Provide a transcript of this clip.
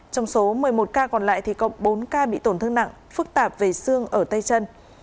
trong số một mươi một ca còn lại thì có bốn ca bị tổn thương nặng phức tạp về xương ở tay chân